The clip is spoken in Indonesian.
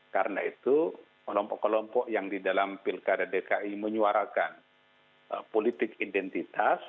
karena itu kelompok kelompok yang di dalam pilkada dki menyuarakan politik identitas